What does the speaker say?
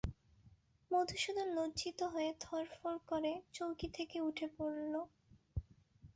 মধুসূদন লজ্জিত হয়ে ধড়ফড় করে চৌকি থেকে উঠে পড়ল।